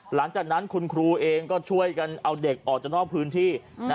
หลังจากนั้นคุณครูเองก็ช่วยกันเอาเด็กออกจากนอกพื้นที่